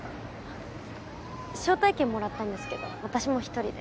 招待券もらったんですけど私も１人で。